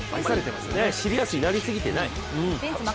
シリアスになりすぎてない。